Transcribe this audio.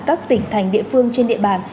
các tỉnh thành địa phương trên địa bàn